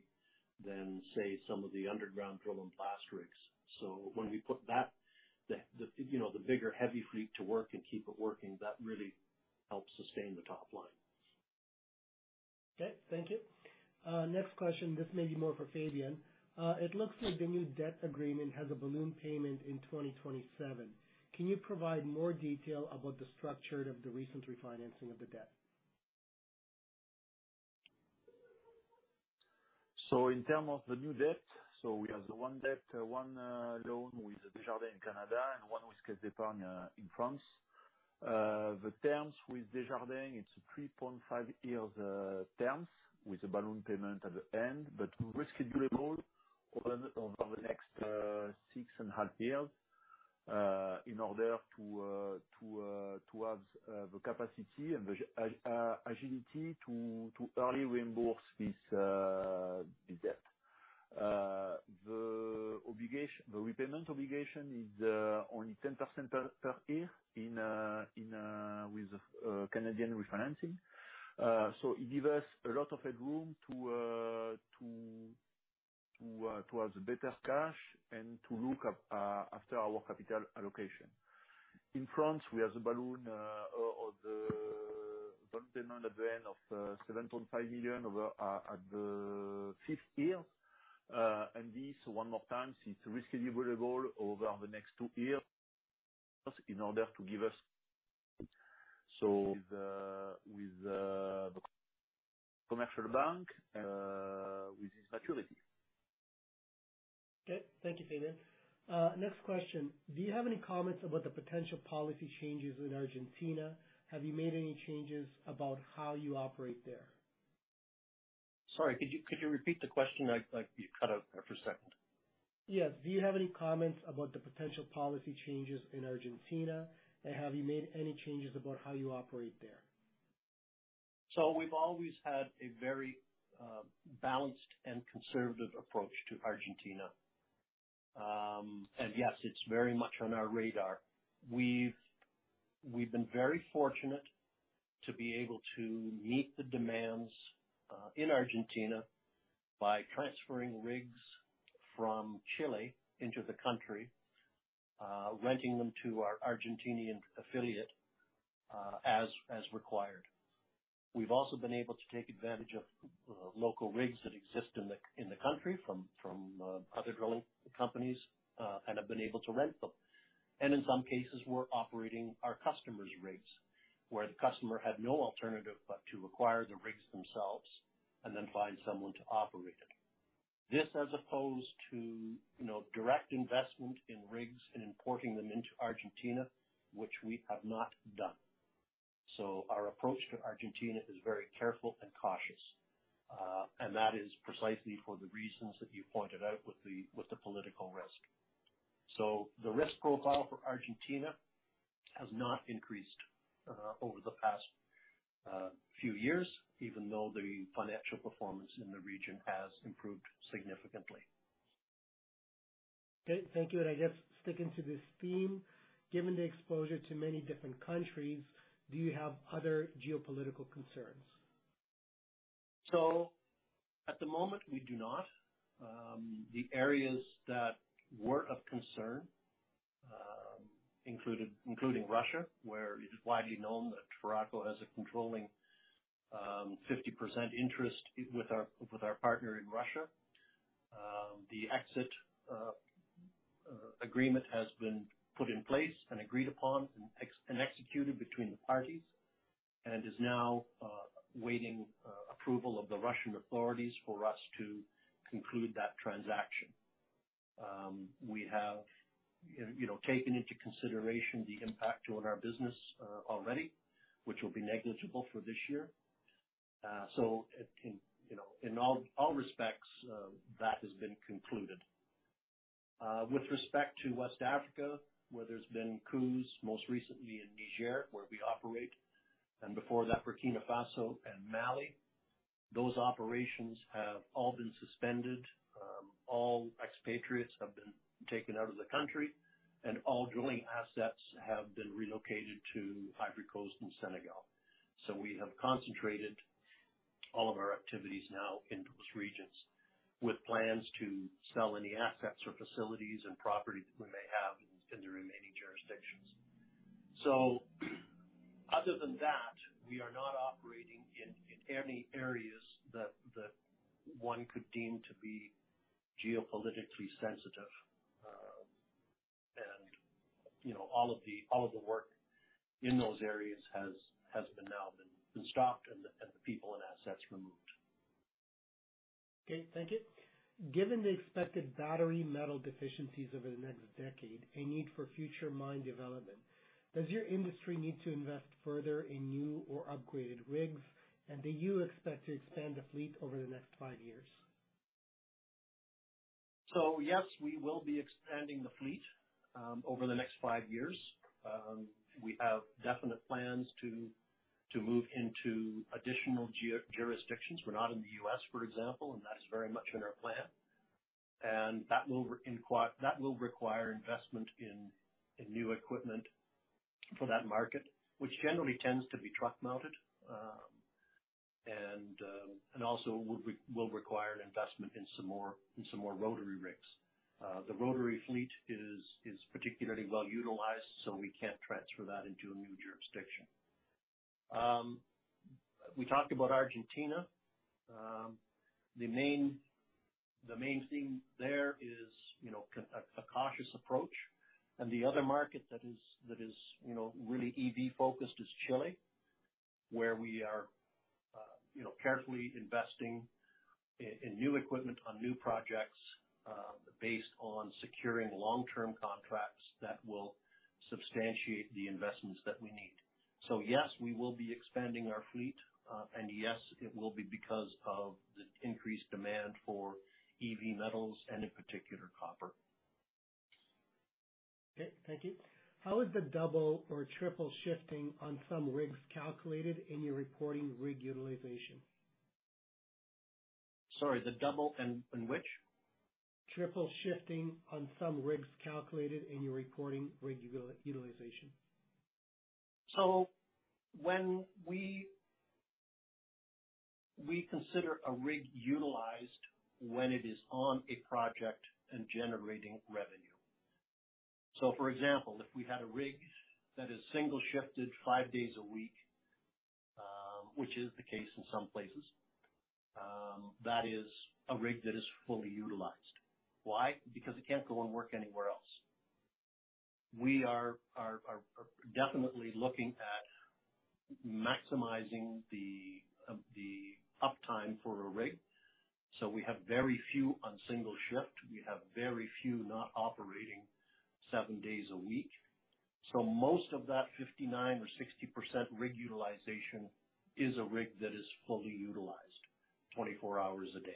than, say, some of the underground drill and blast rigs. So when we put that, you know, the bigger, heavy fleet to work and keep it working, that really helps sustain the top line. Okay. Thank you. Next question. This may be more for Fabien. It looks like the new debt agreement has a balloon payment in 2027. Can you provide more detail about the structure of the recent refinancing of the debt? In terms of the new debt, we have one loan with Desjardins in Canada and one with Caisse d'Epargne in France. The terms with Desjardins, it's 3.5 years terms with a balloon payment at the end, but reschedule over the next 6.5 years, in order to have the capacity and the agility to early reimburse this, the debt. The repayment obligation is only 10% per year in with Canadian refinancing. So it give us a lot of headroom to towards a better cash and to look up after our capital allocation. In France, we have the balloon of the balance at the end of 7.5 million over at the fifth year. This, one more time, is rescheduleable over the next two years in order to give us... So, with the commercial bank, with this maturity. Okay, thank you, Fabien. Next question: Do you have any comments about the potential policy changes in Argentina? Have you made any changes about how you operate there? Sorry, could you repeat the question? You cut out there for a second. Yes. Do you have any comments about the potential policy changes in Argentina, and have you made any changes about how you operate there? So we've always had a very, balanced and conservative approach to Argentina. And yes, it's very much on our radar. We've been very fortunate to be able to meet the demands in Argentina by transferring rigs from Chile into the country, renting them to our Argentinian affiliate, as required. We've also been able to take advantage of local rigs that exist in the country from other drilling companies and have been able to rent them. And in some cases, we're operating our customers' rigs, where the customer had no alternative but to acquire the rigs themselves and then find someone to operate it. This, as opposed to, you know, direct investment in rigs and importing them into Argentina, which we have not done. So our approach to Argentina is very careful and cautious, and that is precisely for the reasons that you pointed out with the political risk. So the risk profile for Argentina has not increased over the past few years, even though the financial performance in the region has improved significantly. Okay, thank you. I guess sticking to this theme, given the exposure to many different countries, do you have other geopolitical concerns? So at the moment, we do not. The areas that were of concern included, including Russia, where it is widely known that Foraco has a controlling 50% interest with our partner in Russia. The exit agreement has been put in place and agreed upon and executed between the parties and is now waiting approval of the Russian authorities for us to conclude that transaction. We have, you know, taken into consideration the impact on our business already, which will be negligible for this year. So it can... You know, in all respects, that has been concluded. With respect to West Africa, where there's been coups, most recently in Niger, where we operate, and before that, Burkina Faso and Mali, those operations have all been suspended. All expatriates have been taken out of the country, and all drilling assets have been relocated to Ivory Coast and Senegal. So we have concentrated all of our activities now in those regions, with plans to sell any assets or facilities and property that we may have in the remaining jurisdictions. So other than that, we are not operating in any areas that one could deem to be geopolitically sensitive. And, you know, all of the work in those areas has now been stopped and the people and assets removed. Okay, thank you. Given the expected battery metal deficiencies over the next decade, a need for future mine development, does your industry need to invest further in new or upgraded rigs? And do you expect to expand the fleet over the next five years? So yes, we will be expanding the fleet over the next five years. We have definite plans to move into additional jurisdictions. We're not in the U.S., for example, and that's very much in our plan. And that will require investment in new equipment for that market, which generally tends to be truck mounted. And also will require an investment in some more rotary rigs. The rotary fleet is particularly well utilized, so we can't transfer that into a new jurisdiction. We talked about Argentina. The main thing there is, you know, a cautious approach. And the other market that is, you know, really EV focused, is Chile, where we are-... You know, carefully investing in new equipment on new projects, based on securing long-term contracts that will substantiate the investments that we need. So, yes, we will be expanding our fleet, and yes, it will be because of the increased demand for EV metals and, in particular, copper. Okay, thank you. How is the double or triple shifting on some rigs calculated in your reporting rig utilization? Sorry, the double and, and which? Triple shifting on some rigs calculated in your reporting rig utilization. We consider a rig utilized when it is on a project and generating revenue. So, for example, if we had a rig that is single shifted five days a week, which is the case in some places, that is a rig that is fully utilized. Why? Because it can't go and work anywhere else. We are definitely looking at maximizing the uptime for a rig. So we have very few on single shift. We have very few not operating seven days a week. So most of that 59% or 60% rig utilization is a rig that is fully utilized 24 hours a day.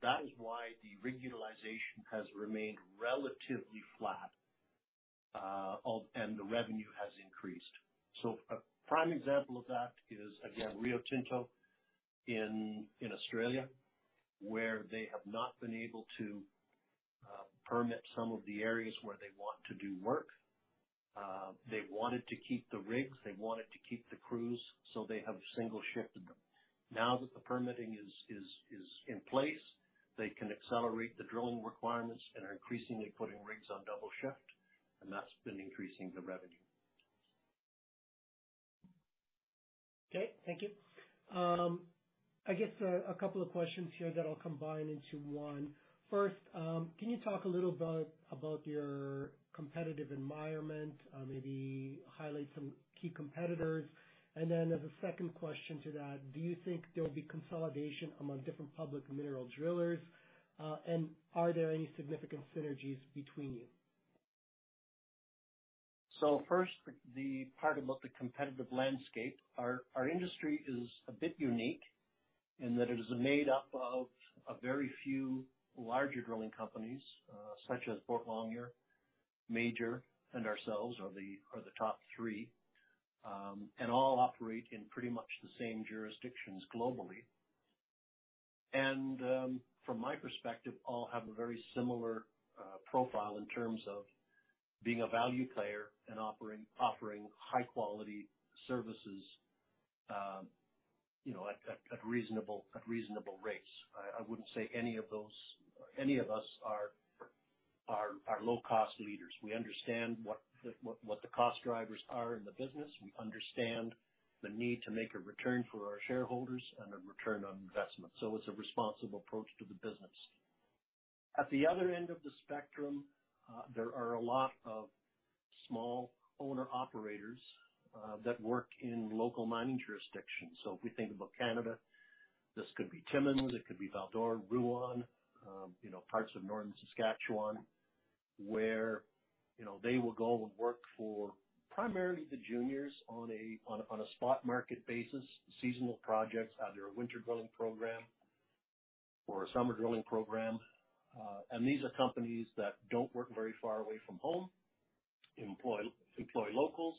That is why the rig utilization has remained relatively flat. And the revenue has increased. So a prime example of that is, again, Rio Tinto in, in Australia, where they have not been able to permit some of the areas where they want to do work. They wanted to keep the rigs, they wanted to keep the crews, so they have single shifted them. Now that the permitting is, is, is in place, they can accelerate the drilling requirements and are increasingly putting rigs on double shift, and that's been increasing the revenue. Okay, thank you. I guess, a couple of questions here that I'll combine into one. First, can you talk a little about your competitive environment? Maybe highlight some key competitors. And then as a second question to that, do you think there will be consolidation among different public mineral drillers, and are there any significant synergies between you? So first, the part about the competitive landscape. Our industry is a bit unique in that it is made up of a very few larger drilling companies, such as Boart Longyear, Major, and ourselves are the top three. And all operate in pretty much the same jurisdictions globally. And from my perspective, all have a very similar profile in terms of being a value player and offering high quality services, you know, at reasonable rates. I wouldn't say any of those... Any of us are low-cost leaders. We understand what the cost drivers are in the business. We understand the need to make a return for our shareholders and a return on investment. So it's a responsible approach to the business. At the other end of the spectrum, there are a lot of small owner-operators that work in local mining jurisdictions. So if we think about Canada, this could be Timmins, it could be Val-d'Or, Rouyn-Noranda, you know, parts of northern Saskatchewan, where, you know, they will go and work for primarily the juniors on a spot market basis, seasonal projects, either a winter drilling program or a summer drilling program. And these are companies that don't work very far away from home, employ locals,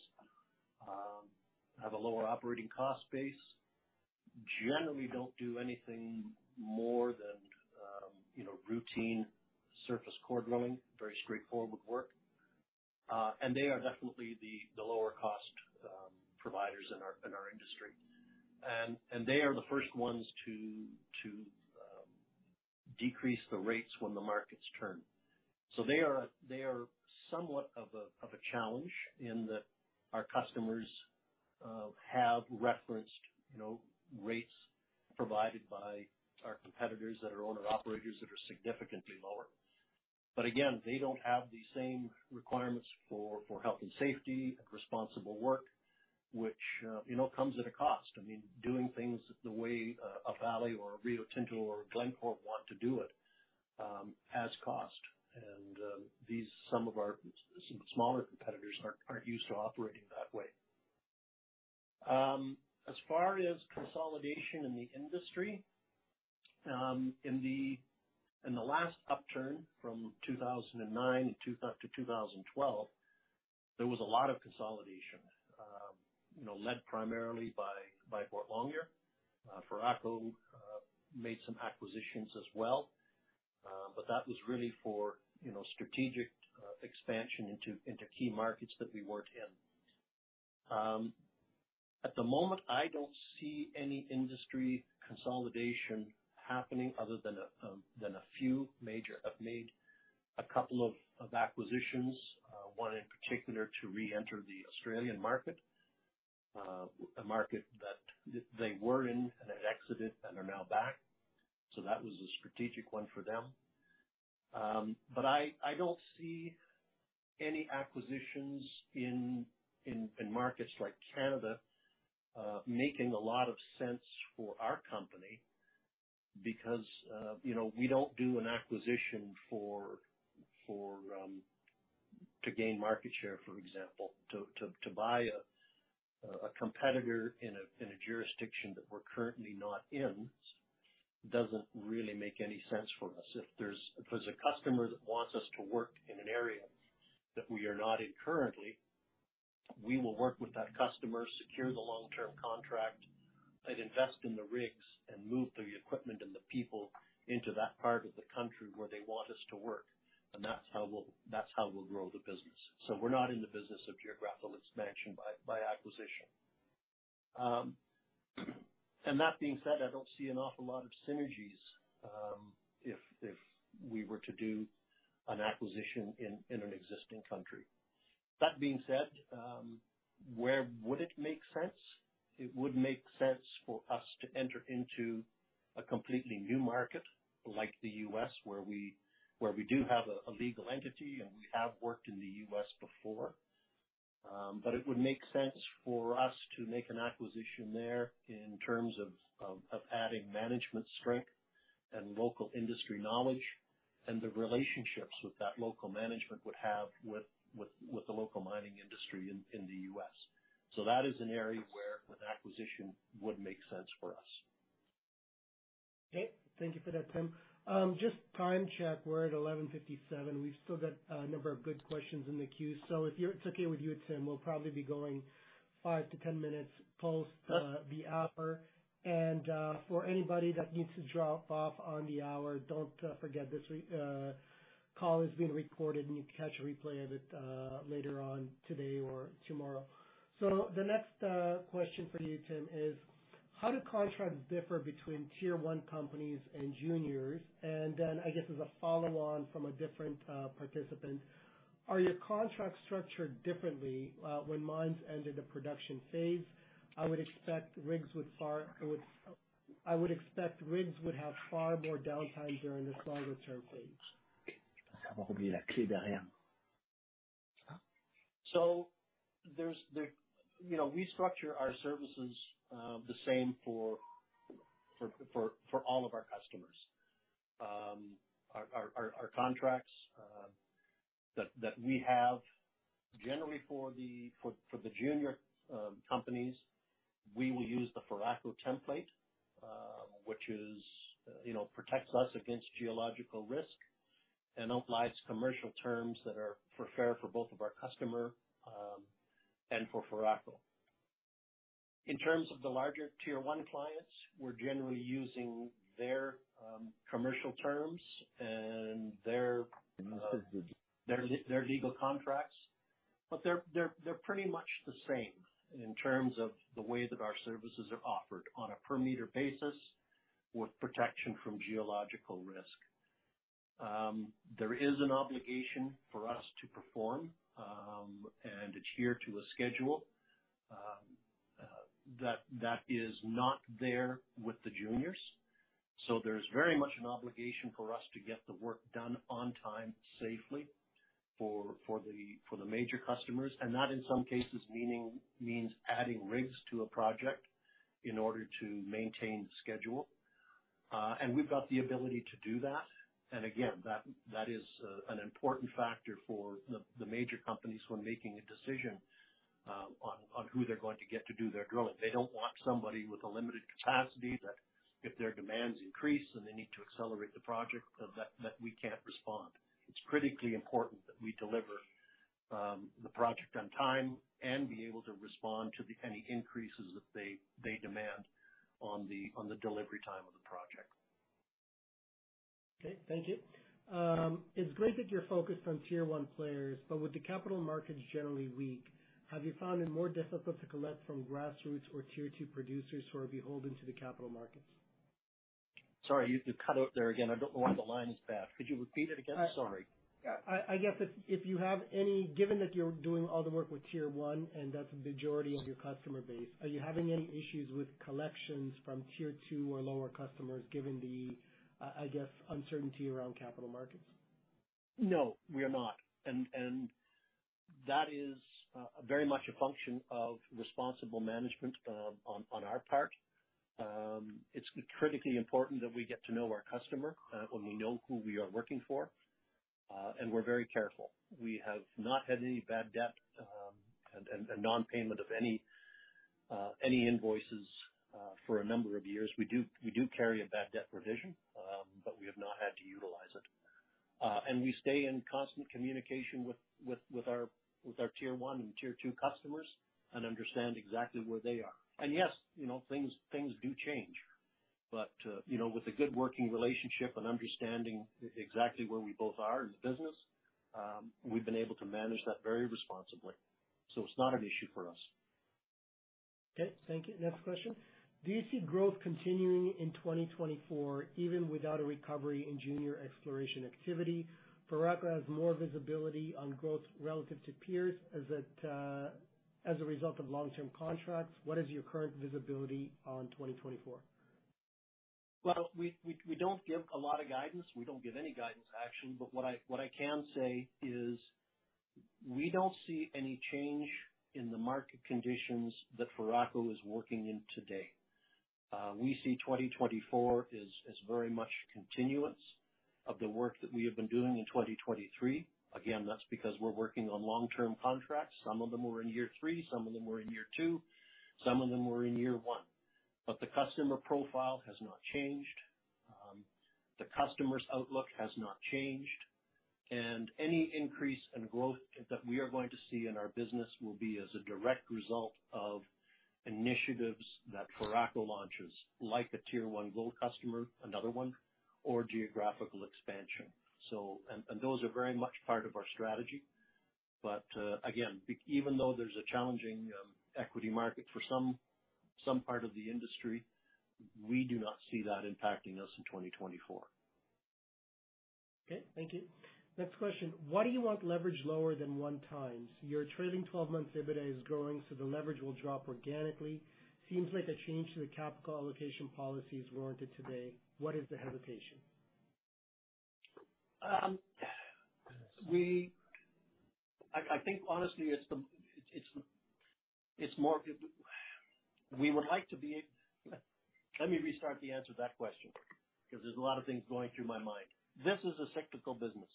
have a lower operating cost base, generally don't do anything more than, you know, routine surface core drilling, very straightforward work. And they are definitely the lower cost providers in our industry. And they are the first ones to decrease the rates when the markets turn. So they are, they are somewhat of a, of a challenge in that our customers have referenced, you know, rates provided by our competitors that are owner-operators that are significantly lower. But again, they don't have the same requirements for, for health and safety and responsible work, which, you know, comes at a cost. I mean, doing things the way a Vale or a Rio Tinto or a Glencore want to do it has cost. And these, some of our smaller competitors aren't, aren't used to operating that way. As far as consolidation in the industry, in the, in the last upturn from 2009 to 2012, there was a lot of consolidation, you know, led primarily by, by Boart Longyear. Foraco made some acquisitions as well. But that was really for, you know, strategic expansion into key markets that we worked in. At the moment, I don't see any industry consolidation happening other than a few major have made a couple of acquisitions, one in particular to reenter the Australian market. A market that they were in and had exited and are now back. So that was a strategic one for them.... But I don't see any acquisitions in markets like Canada making a lot of sense for our company because, you know, we don't do an acquisition for to gain market share, for example. To buy a competitor in a jurisdiction that we're currently not in doesn't really make any sense for us. If there's... If there's a customer that wants us to work in an area that we are not in currently, we will work with that customer, secure the long-term contract, and invest in the rigs and move the equipment and the people into that part of the country where they want us to work, and that's how we'll, that's how we'll grow the business. So we're not in the business of geographical expansion by, by acquisition. And that being said, I don't see an awful lot of synergies, if, if we were to do an acquisition in, in an existing country. That being said, where would it make sense? It would make sense for us to enter into a completely new market like the U.S., where we, where we do have a, a legal entity, and we have worked in the U.S. before. But it would make sense for us to make an acquisition there in terms of adding management strength and local industry knowledge and the relationships that that local management would have with the local mining industry in the U.S. So that is an area where an acquisition would make sense for us. Okay. Thank you for that, Tim. Just time check. We're at 11:57. We've still got a number of good questions in the queue, so if it's okay with you, Tim, we'll probably be going five to 10 minutes post the hour. And for anybody that needs to drop off on the hour, don't forget, this call is being recorded, and you can catch a replay of it later on today or tomorrow. So the next question for you, Tim, is: How do contracts differ between tier one companies and juniors? And then, I guess, as a follow-on from a different participant, are your contracts structured differently when mines end in the production phase? I would expect rigs would have far more downtime during this longer-term phase. So there's the. You know, we structure our services the same for all of our customers. Our contracts that we have, generally for the junior companies, we will use the Foraco template, which is, you know, protects us against geological risk and applies commercial terms that are fair for both of our customer and for Foraco. In terms of the larger tier one clients, we're generally using their commercial terms and their legal contracts, but they're pretty much the same in terms of the way that our services are offered on a per meter basis with protection from geological risk. There is an obligation for us to perform and adhere to a schedule that is not there with the juniors. So there's very much an obligation for us to get the work done on time, safely, for the major customers. And that, in some cases, means adding rigs to a project in order to maintain schedule. And we've got the ability to do that. And again, that is an important factor for the major companies when making a decision on who they're going to get to do their drilling. They don't want somebody with a limited capacity, that if their demands increase and they need to accelerate the project, that we can't respond. It's critically important that we deliver the project on time and be able to respond to any increases that they demand on the delivery time of the project. Okay. Thank you. It's great that you're focused on tier one players, but with the capital markets generally weak, have you found it more difficult to collect from grassroots or tier two producers who are beholden to the capital markets? Sorry, you cut out there again. I don't know why the line is bad. Could you repeat it again? Sorry. I guess if you have any... Given that you're doing all the work with tier one, and that's a majority of your customer base, are you having any issues with collections from tier two or lower customers, given the, I guess, uncertainty around capital markets? No, we are not. And that is very much a function of responsible management on our part. It's critically important that we get to know our customer when we know who we are working for. And we're very careful. We have not had any bad debt and non-payment of any invoices for a number of years. We do, we do carry a bad debt provision, but we have not had to utilize it. And we stay in constant communication with our tier one and tier two customers and understand exactly where they are. And yes, you know, things do change, but you know, with a good working relationship and understanding exactly where we both are in the business, we've been able to manage that very responsibly. It's not an issue for us. Okay. Thank you. Next question: Do you see growth continuing in 2024, even without a recovery in junior exploration activity?... Foraco has more visibility on growth relative to peers. Is that as a result of long-term contracts? What is your current visibility on 2024? Well, we don't give a lot of guidance. We don't give any guidance, actually. But what I can say is we don't see any change in the market conditions that Foraco is working in today. We see 2024 as very much continuance of the work that we have been doing in 2023. Again, that's because we're working on long-term contracts. Some of them are in year three, some of them are in year two, some of them are in year one. But the customer profile has not changed. The customer's outlook has not changed, and any increase in growth that we are going to see in our business will be as a direct result of initiatives that Foraco launches, like a tier one gold customer, another one, or geographical expansion. So... And those are very much part of our strategy. But, again, even though there's a challenging equity market for some part of the industry, we do not see that impacting us in 2024. Okay, thank you. Next question: Why do you want leverage lower than 1x? Your trailing 12 months EBITDA is growing, so the leverage will drop organically. Seems like a change to the capital allocation policy is warranted today. What is the hesitation? Let me restart the answer to that question, because there's a lot of things going through my mind. This is a cyclical business,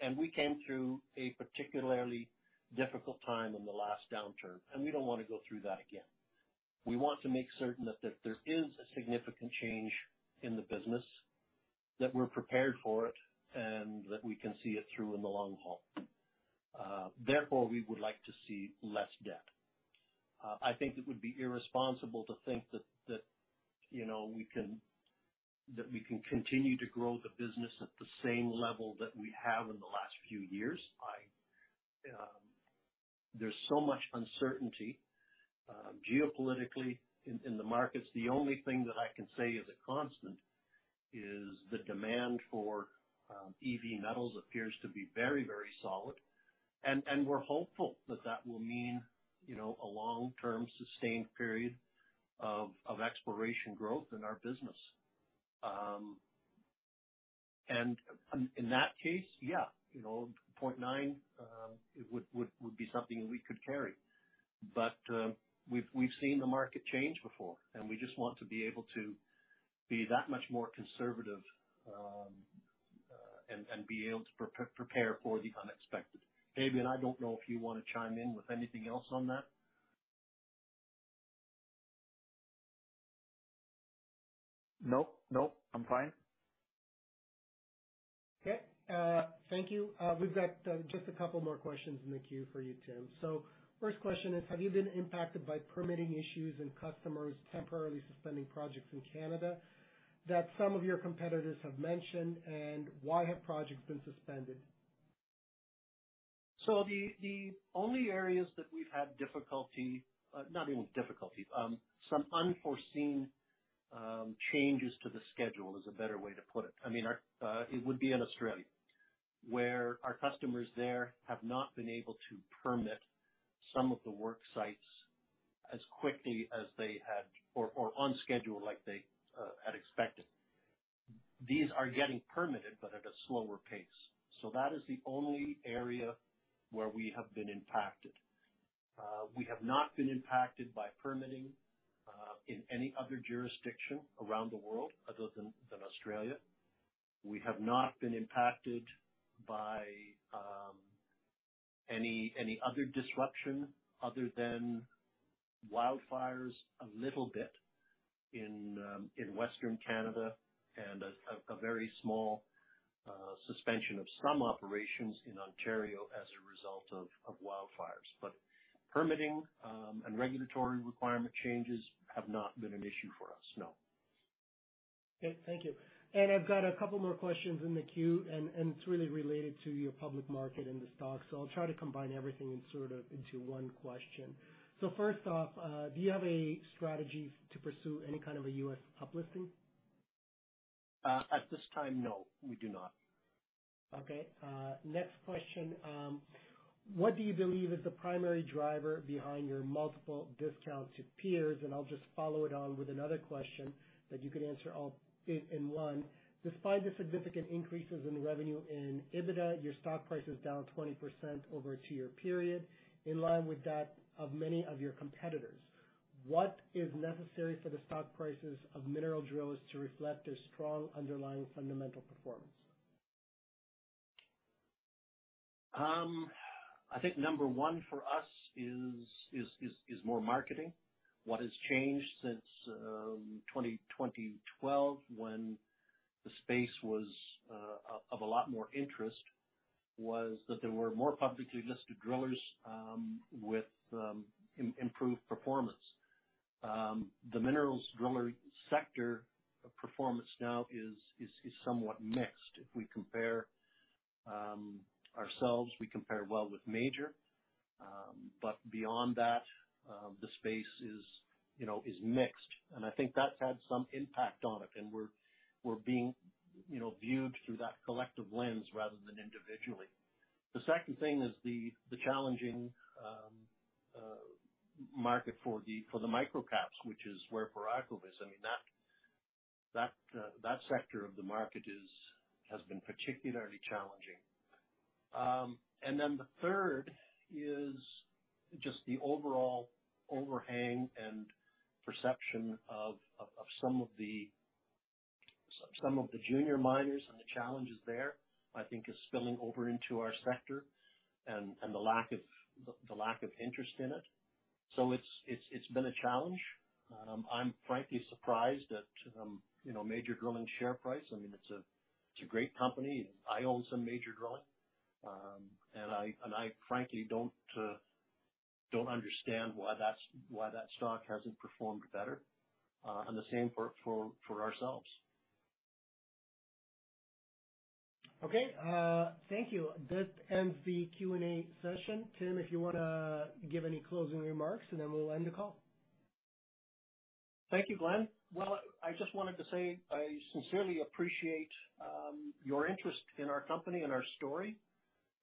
and we came through a particularly difficult time in the last downturn, and we don't want to go through that again. We want to make certain that if there is a significant change in the business, that we're prepared for it and that we can see it through in the long haul. Therefore, we would like to see less debt. I think it would be irresponsible to think that you know we can continue to grow the business at the same level that we have in the last few years. There's so much uncertainty, geopolitically in the markets. The only thing that I can say is a constant is the demand for EV metals appears to be very, very solid, and we're hopeful that that will mean, you know, a long-term, sustained period of exploration growth in our business. And in that case, yeah, you know, 0.9x it would be something we could carry. But, we've seen the market change before, and we just want to be able to be that much more conservative, and be able to prepare for the unexpected. Fabien, I don't know if you wanna chime in with anything else on that. Nope, nope. I'm fine. Okay. Thank you. We've got just a couple more questions in the queue for you, Tim. So first question is: Have you been impacted by permitting issues and customers temporarily suspending projects in Canada, that some of your competitors have mentioned, and why have projects been suspended? So the only areas that we've had difficulty, not even difficulty, some unforeseen, changes to the schedule is a better way to put it. I mean, our, It would be in Australia, where our customers there have not been able to permit some of the work sites as quickly as they had or, or on schedule, like they, had expected. These are getting permitted, but at a slower pace. So that is the only area where we have been impacted. We have not been impacted by permitting, in any other jurisdiction around the world other than, than Australia. We have not been impacted by, any other disruption other than wildfires a little bit in, in Western Canada, and a very small, suspension of some operations in Ontario as a result of, of wildfires. But permitting, and regulatory requirement changes have not been an issue for us, no. Okay. Thank you. I've got a couple more questions in the queue, and it's really related to your public market and the stock. So I'll try to combine everything in sort of into one question. So first off, do you have a strategy to pursue any kind of a U.S. uplisting? At this time, no, we do not. Okay. Next question. What do you believe is the primary driver behind your multiple discounts to peers? And I'll just follow it on with another question that you could answer all in one. Despite the significant increases in revenue and EBITDA, your stock price is down 20% over a two-year period, in line with that of many of your competitors. What is necessary for the stock prices of mineral drillers to reflect their strong underlying fundamental performance? I think number one for us is more marketing. What has changed since 2012, when the space was of a lot more interest, was that there were more publicly listed drillers with improved performance. The minerals driller sector performance now is somewhat mixed. If we compare ourselves, we compare well with Major, but beyond that, the space is, you know, mixed. And I think that's had some impact on it, and we're being, you know, viewed through that collective lens rather than individually. The second thing is the challenging market for the micro caps, which is where Foraco is. I mean, that sector of the market has been particularly challenging. And then the third is just the overall overhang and perception of some of the junior miners and the challenges there, I think is spilling over into our sector and the lack of interest in it. So it's been a challenge. I'm frankly surprised at, you know, Major Drilling share price. I mean, it's a great company. I own some Major Drilling. And I frankly don't understand why that's, why that stock hasn't performed better, and the same for ourselves. Okay, thank you. That ends the Q&A session. Tim, if you wanna give any closing remarks, and then we'll end the call. Thank you, Glen. Well, I just wanted to say I sincerely appreciate your interest in our company and our story.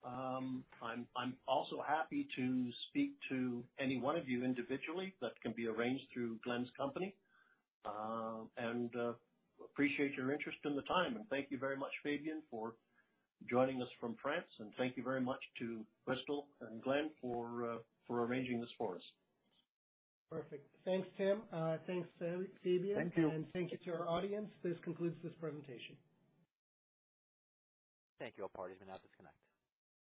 I'm also happy to speak to any one of you individually. That can be arranged through Glen's company. Appreciate your interest and the time, and thank you very much, Fabien, for joining us from France, and thank you very much to Crystal and Glen for arranging this for us. Perfect. Thanks, Tim. Thanks, Fabien. Thank you. Thank you to our audience. This concludes this presentation. Thank you. All parties may now disconnect.